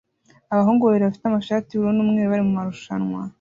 Abahungu babiri bafite amashati yubururu numweru bari mumarushanwa